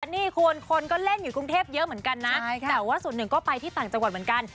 นี่คุณคนก็เล่นอยู่กรุงเทพเยอะเหมือนกันนะแต่ว่าส่วนหนึ่งก็ไปที่ต่างจังหวัดเหมือนกัน